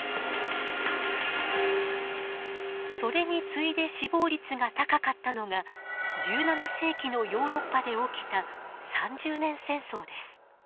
それに次いで死亡率が高かったのが１７世紀のヨーロッパで起きた三十年戦争です。